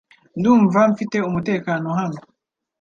Ndumva mfite umutekano hano .